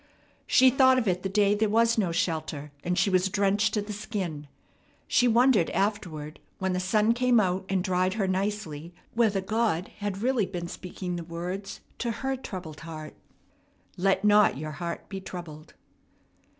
She thought of it the day there was no shelter and she was drenched to the skin. She wondered afterward when the sun came out and dried her nicely whether God had really been speaking the words to her troubled heart, "Let not your heart be troubled."